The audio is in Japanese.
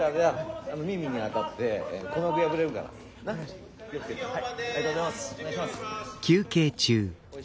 はい。